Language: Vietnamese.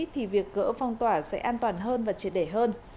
thì việc gỡ phong tỏa sẽ an toàn hơn và triệt để hơn